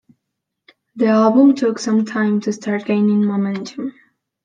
The album took some time to start gaining momentum.